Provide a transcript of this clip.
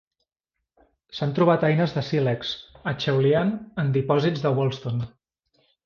S'han trobat eines de sílex Acheulian en dipòsits de Wolston.